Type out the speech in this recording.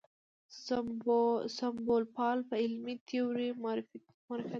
سمونپال په علمي تیوریو معرفت ولري.